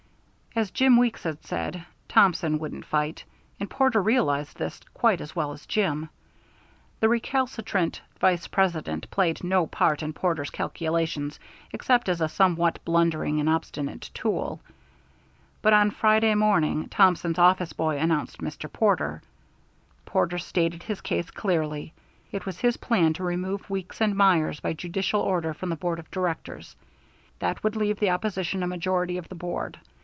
As Jim Weeks had said, Thompson wouldn't fight, and Porter realized this quite as well as Jim. The recalcitrant Vice President played no part in Porter's calculations except as a somewhat blundering and obstinate tool. But on Friday morning Thompson's office boy announced Mr. Porter. Porter stated his case clearly. It was his plan to remove Weeks and Myers by judicial order from the Board of Directors. That would leave the opposition a majority of the board.